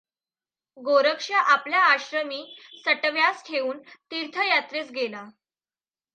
गोरक्ष आपल्या आश्रमीं सटव्यांस ठेवून तीर्थयात्रेस गेला.